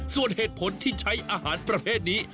ส่วนเหตุผลที่ใช้อาหารประเภทนี้